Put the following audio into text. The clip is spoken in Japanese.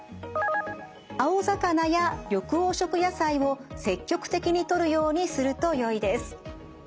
青魚や緑黄色野菜を積極的にとるようにするとよいです。